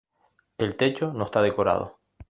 El techo no está decorado.